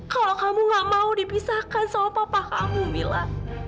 kalau kamu gak mau dipisahkan sama papa kamu mila